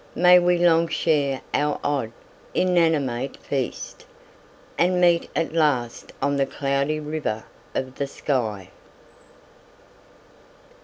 May we long share our odd, inanimate feast, And meet at last on the Cloudy River of the sky.